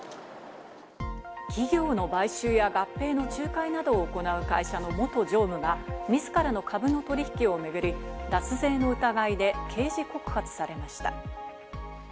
企業の買収や合併の仲介などを行う会社の元常務が自らの株の取引をめぐり、脱税の疑いで刑事告発されました。